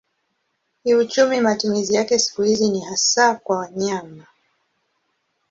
Kiuchumi matumizi yake siku hizi ni hasa kwa nyama.